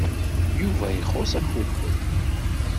Yuba ixuṣṣ agguffed.